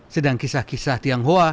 sedang kisah kisah tionghoa